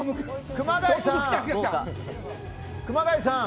熊谷さん！